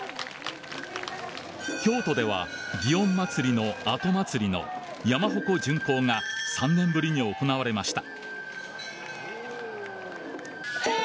京都では祇園祭の後祭の山鉾巡行が３年ぶりに行われました。